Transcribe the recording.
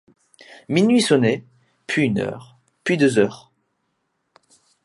Minuit sonnait, puis une heure, puis deux heures.